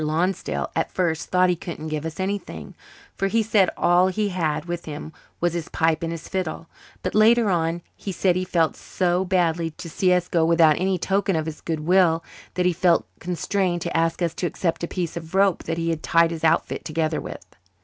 Lonsdale at first thought he couldn't give us anything, for he said all he had with him was his pipe and his fiddle; but later on he said he felt so badly to see us go without any token of his good will that he felt constrained to ask us to accept a piece of rope that he had tied his outfit together with.